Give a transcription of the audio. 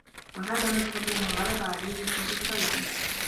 وَهَذَا مَذْهَبُ مَنْ غَلَبَ عَلَيْهِ حُبُّ السَّلَامَةِ